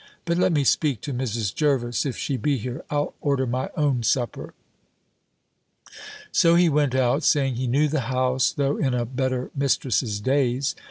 But let me speak to Mrs. Jervis, if she be here: I'll order my own supper." So he went out, saying, he knew the house, though in a better mistress's days.